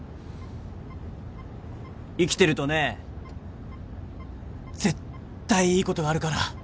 生きてるとね絶対いいことがあるから。